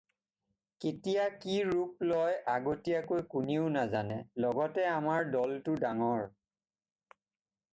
কেতিয়া কি ৰূপ লয় আগতীয়াকৈ কোনেও নাজানে লগতে আমাৰ দলটো ডাঙৰ।